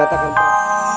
rasanya ingin mengatakan